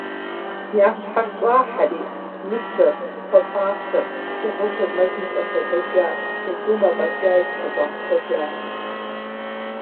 Я щхьэр щӏахьэри, мыщэр, кхъуэпӏащэр, дыгъужьыр мэзым щӏэлъэдэжащ, джэдум афӏэкӏаи зыпэщӏагъэхуэжакъым.